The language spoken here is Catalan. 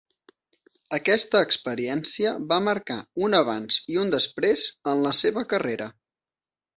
Aquesta experiència va marcar un abans i un després en la seva carrera.